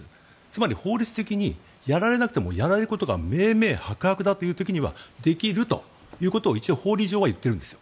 つまり法律的にやられなくてもやられることが明々白々だという時はできるということは一応、法理上は言ってるんです。